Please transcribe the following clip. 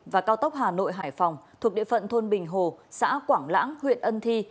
và cao tốc hà nội hải phòng thuộc địa phận thôn bình hồ xã quảng lãng huyện ân thi